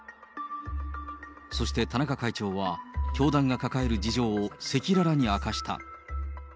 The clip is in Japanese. そして田中会長は、教団が抱える事情を赤裸々に明かした。